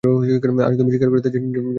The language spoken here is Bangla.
আজ তুমি শিকার করিতে যাইতে পারিবে না।